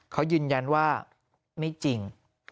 เขายืนยันว่าไม่จริง